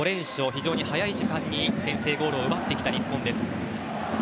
非常に早い時間に先制ゴールを奪ってきた日本です。